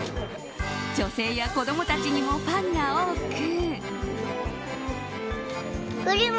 女性や子供たちにもファンが多く。